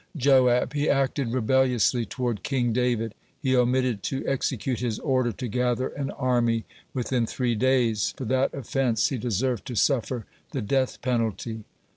Joab: "He acted rebelliously toward King David. He omitted to execute his order to gather an army within three days; for that offense he deserved to suffer the death penalty."